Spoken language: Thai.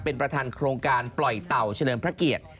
เป็นประธานโครงการปล่อยเต่าเฉลิมพระเกียรติ